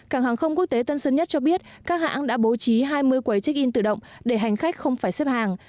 cảng hàng không quốc tế tân sơn nhất cho biết các hãng đã bố trí hai mươi quấy check in tự động để hành khách không phải xếp hàng